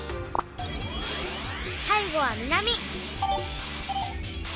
最後は南。